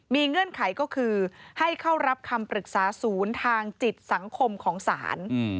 มีเงื่อนไขก็คือให้เข้ารับคำปรึกษาศูนย์ทางจิตสังคมของศาล